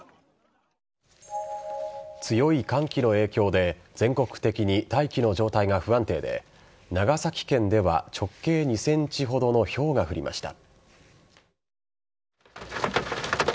強い寒気の影響で全国的に大気の状態が不安定で長崎県では直径２ｃｍほどのひょうが降りました。